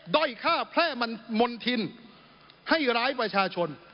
ด้อยฆ่าแพร่มันมนธินให้ร้ายประชาชน